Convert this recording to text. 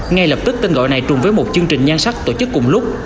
ngay lập tức tên gọi này trùng với một chương trình nhan sắc tổ chức cùng lúc